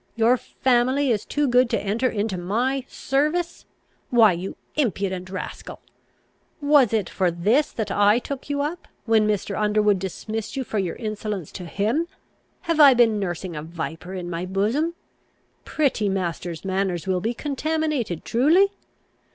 Your family is too good to enter into my service! Why you impudent rascal! was it for this that I took you up, when Mr. Underwood dismissed you for your insolence to him? Have I been nursing a viper in my bosom? Pretty master's manners will be contaminated truly?